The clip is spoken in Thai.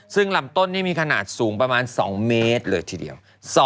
ซึ่งลำต้นนี่มีขนาดสูงประมาณ๒เมตรเลยทีเดียว